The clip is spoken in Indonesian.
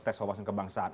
tes wawasan kebangsaan